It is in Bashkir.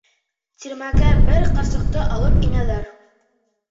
Тирмәгә бер ҡарсыҡты алып инәләр.